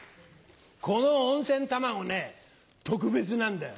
この温泉卵ね特別なんだよ。